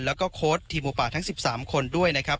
แล้วก็โค้ดทีมหมูป่าทั้ง๑๓คนด้วยนะครับ